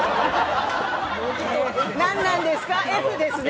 なんなんですか、Ｆですね。